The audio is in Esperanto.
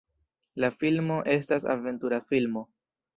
La filmo estas aventura filmo.